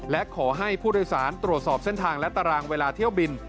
และขอให้ผู้โดยสารตรวจสอบเส้นทางและตารางเวลาเที่ยวบิน